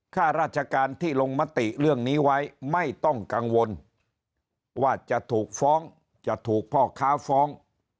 ข้าราชการที่ลงมติเรื่องนี้ไว้ไม่ต้องกังวลว่าจะถูกฟ้องจะถูกพ่อค้าฟ้อง